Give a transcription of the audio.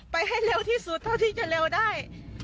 ให้เร็วที่สุดเท่าที่จะเร็วได้